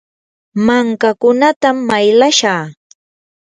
mankakunatam maylashaa.